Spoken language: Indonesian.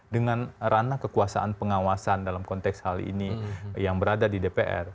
dengan ranah kekuasaan pengawasan dalam konteks hal ini yang berada di dpr